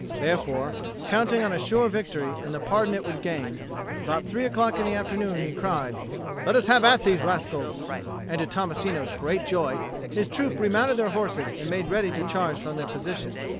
Therefore, counting on a sure victory and the pardon it would gain, about three o'clock in the afternoon he cried, "Let us have at these rascals!" and to Tommasino's great joy, his troop remounted their horses and made ready to charge from their position.